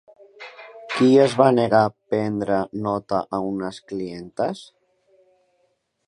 Qui es va negar prendre nota a unes clientes?